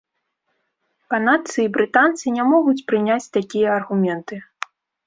Канадцы і брытанцы не могуць прыняць такія аргументы.